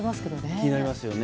気になりますよね。